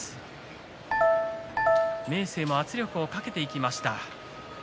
明生も圧力をかけていきました。